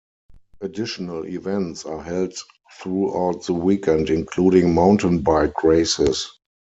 Additional events are held throughout the weekend including mountain bike races.